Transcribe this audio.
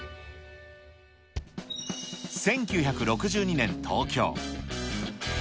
１９６２年、東京。